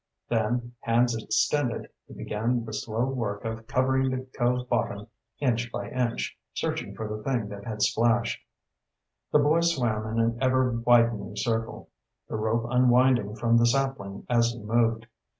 Then, hands extended, he began the slow work of covering the cove bottom inch by inch, searching for the thing that had splashed. The boy swam in an ever widening circle, the rope unwinding from the sapling as he moved.